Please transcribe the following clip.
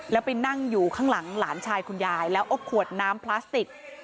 แล้วไปนั่งอยู่ข้างหลังหลานชายคุณยายแล้วเอาขวดน้ำพลาสติก